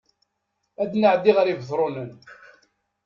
Ad nɛeddi ɣer Ibetṛunen